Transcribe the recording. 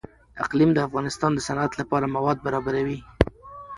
اقلیم د افغانستان د صنعت لپاره مواد برابروي.